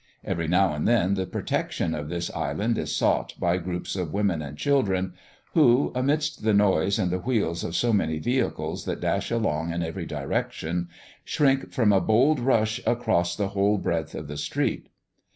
Every now and then the protection of this island is sought by groups of women and children who, amidst the noise and the wheels of so many vehicles that dash along in every direction, shrink from a bold rush across the whole breadth of the street.